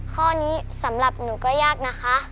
ข้อนี้สำหรับหนูก็ยากนะคะ